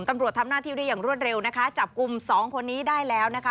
ตำรวจทำหน้าที่ได้อย่างรวดเร็วนะคะจับกลุ่มสองคนนี้ได้แล้วนะคะ